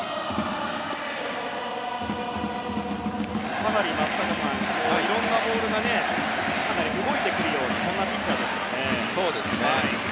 かなり松坂さんボールが動いてくるようなそんなピッチャーですよね。